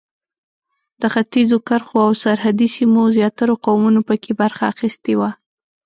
د ختیځو کرښو او سرحدي سیمو زیاترو قومونو په کې برخه اخیستې وه.